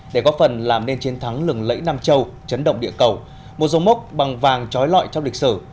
để góp phần làm nên chiến thắng lừng lẫy nam châu chấn động địa cầu một dòng mốc bằng vàng trói lọi trong lịch sử